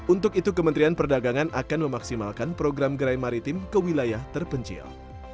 untuk itu kementerian perdagangan akan memaksimalkan program gerai maritim ke wilayah terpencil